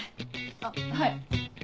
あっはい。